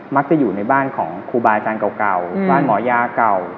อยู่ในบ้านของครูบาอาจารย์เก่าบ้านหมอยาเก่า